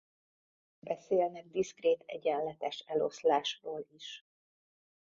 Beszélnek diszkrét egyenletes eloszlásról is.